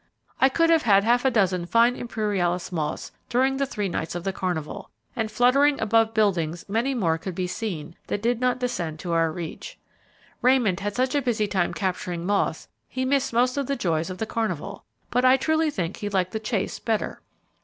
I could have had half a dozen fine Imperialis moths during the three nights of the carnival, and fluttering above buildings many more could be seen that did not descend to our reach. Raymond had such a busy time capturing moths he missed most of the joys of the carnival, but I truly think he liked the chase better.